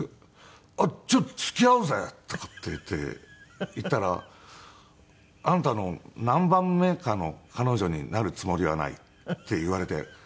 「じゃあ付き合おうぜ」とかっていって言ったら「あんたの何番目かの彼女になるつもりはない」って言われて。